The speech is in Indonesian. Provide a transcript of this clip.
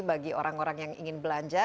bagi orang orang yang ingin belanja